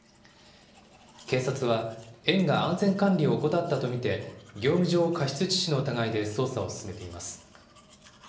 警察は、園が安全管理を怠ったと見て、業務上過失致死の疑いで捜査を進めています。